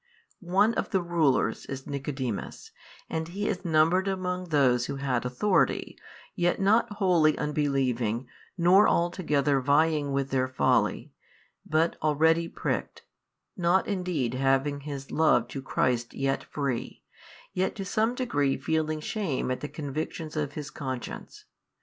One of the rulers is Nicodemus, and he is numbered |559 among those who had authority, yet not wholly unbelieving nor altogether vying with their folly, but already pricked, not indeed having his love to Christ yet free, yet to some degree feeling shame at the convictions of his conscience.